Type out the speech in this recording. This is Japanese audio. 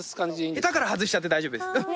ヘタから外しちゃって大丈夫です。